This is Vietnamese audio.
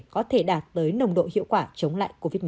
có thể đạt tới nồng độ hiệu quả chống lại covid một mươi chín